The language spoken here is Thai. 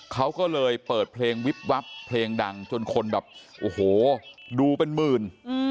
เขาก็เลยเปิดเพลงวิบวับเพลงดังจนคนแบบโอ้โหดูเป็นหมื่น